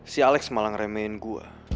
si alex malah ngeremehin gue